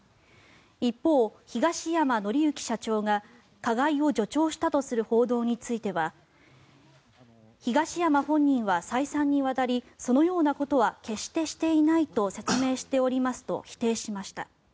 一方、東山紀之社長が加害を助長したとする報道については東山本人は再三にわたりそのようなことは決してしていないと説明しておりますと否定しました。